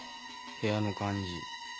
部屋の感じ。